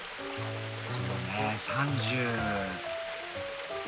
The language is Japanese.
そうね３０。